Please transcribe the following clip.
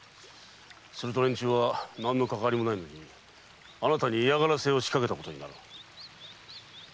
すると連中は何のかかわりもないのにあなたに嫌がらせを仕掛けたことになる。